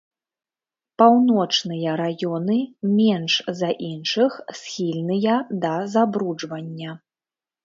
Паўночныя раёны менш за іншых схільныя да забруджвання.